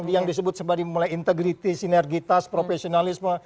yang disebut sebagai mulai integritas sinergitas profesionalisme